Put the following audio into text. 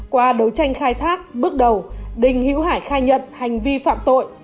qua đấu tranh khai thác bước đầu đình hiễu hải khai nhận hành vi phạm tội